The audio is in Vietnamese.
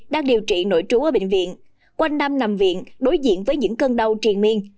đang điều trị nổi trú ở bệnh viện quanh năm nằm viện đối diện với những cơn đau triền miên